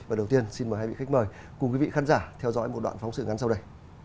và đầu tiên xin mời hai vị khách mời cùng quý vị khán giả theo dõi một đoạn phóng sự ngắn sau đây